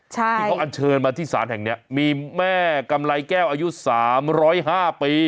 ใช่ที่เขาเชิญมาที่ศาลแห่งเนี้ยมีแม่กำไรแก้วอายุสามร้อยห้าปี